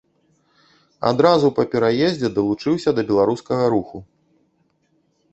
Адразу па пераездзе далучыўся да беларускага руху.